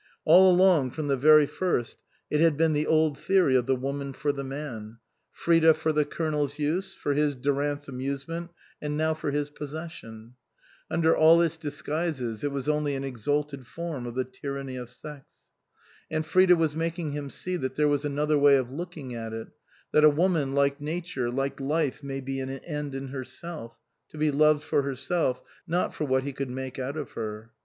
All along, from the very first, it had been the old theory of the woman for the man. Frida for the Colonel's 185 THE COSMOPOLITAN use ; for his (Durant's) amusement, and now for his possession. Under all its disguises it was only an exalted form of the tyranny of sex. And Frida was making him see that there was another way of looking at it that a woman, like nature, like life, may be an end in herself, to be loved for herself, not for what he could make out of her.